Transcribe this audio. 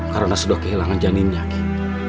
karena sudah kehilangan janinnya ki